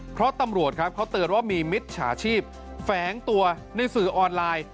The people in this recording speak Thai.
เพราะตำรวจครับเขาเตือนว่ามีมิจฉาชีพแฝงตัวในสื่อออนไลน์